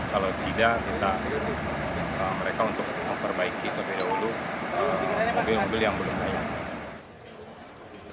kalau tidak kita memperbaiki terlebih dahulu mobil mobil yang belum layak